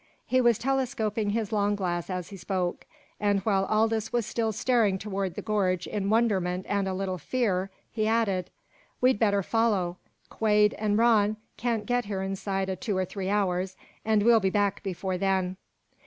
He was telescoping his long glass as he spoke, and while Aldous was still staring toward the gorge in wonderment and a little fear, he added: "We'd better follow. Quade an' Rann can't get here inside o' two or three hours, an' we'll be back before then."